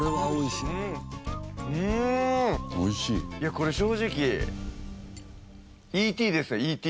これ正直ＥＴですＥＴ。